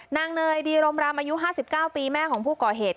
เนยดีรมรำอายุ๕๙ปีแม่ของผู้ก่อเหตุ